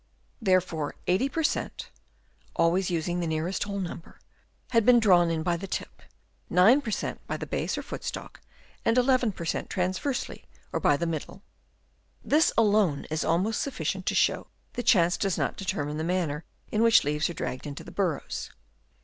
Therefore 80 per cent, (always using the nearest whole number) had been drawn in by the tip, 9 per cent, by the base or foot stalk, and 11 percent, transversely or by the middle. This alone is almost suffi cient to show that chance does not determine the manner in which leaves are dragged into the burrows.